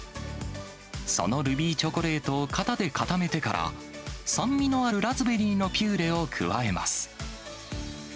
そのルビーチョコレートを型で固めてから、酸味のあるラズベリーのピューレを加えます。